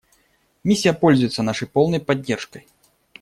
Миссия пользуется нашей полной поддержкой.